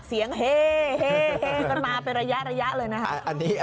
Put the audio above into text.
เสียงเฮ้เฮ้เฮ้ก็มาไประยะเลยนะครับ